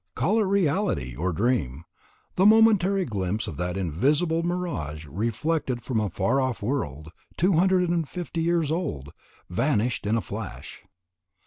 Call it reality or dream, the momentary glimpse of that invisible mirage reflected from a far off world, 250 years old, vanished in a flash.